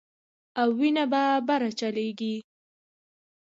او وينه به بره چليږي